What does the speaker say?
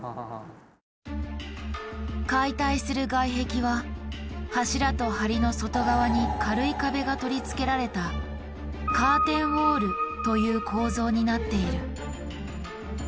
解体する外壁は柱と梁の外側に軽い壁が取り付けられた「カーテンウォール」という構造になっている。